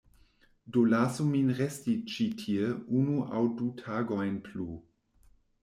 Do lasu min resti ĉi tie unu aŭ du tagojn plu.